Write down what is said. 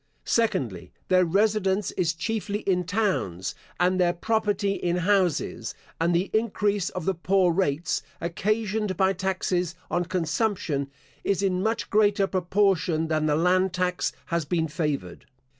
Secondly, Their residence is chiefly in towns, and their property in houses; and the increase of the poor rates, occasioned by taxes on consumption, is in much greater proportion than the land tax has been favoured.